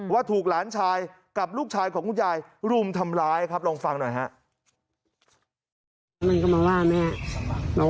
ว่าถูกหลานชายกับลูกชายของคุณยายรุมทำร้ายครับลองฟังหน่อยฮะ